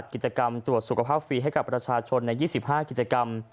กิจกรรมตรวจสุขภาพฟรีให้กับประชาชนใน๒๕กิจกรรม